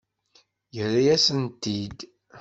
Yerra-yasent-t-id.